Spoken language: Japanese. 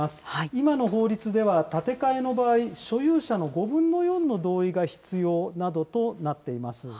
今の法律では建て替えの場合、所有者の５分の４の同意が必要などとなっています。